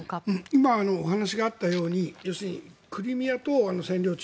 今、お話があったように要するにクリミアとあの占領地